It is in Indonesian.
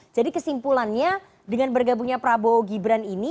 kesimpulannya dengan bergabungnya prabowo gibran ini